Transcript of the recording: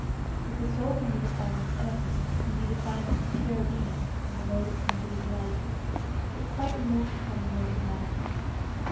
If the soul can be defined as anything it can be defined as Pure Being in the Mode of Individuality but quite removed from the Mode of Matter.